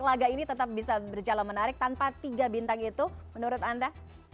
laga ini tetap bisa berjalan menarik tanpa tiga bintang itu menurut anda